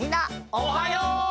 おはよう！